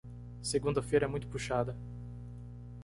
Segunda-feira é muito puxada.